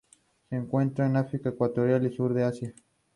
Se encuentra en África ecuatorial y Sur de Asia.